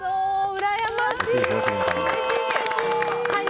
うらやましい！